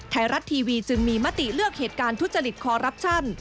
ไทยรัฐทีวีจึงมีมติเลือกเหตุการณ์ทุจริตคอรับชัน